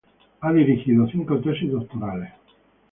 Ha dirigido cinco tesis doctorales.